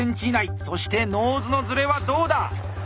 そしてノーズのズレはどうだ。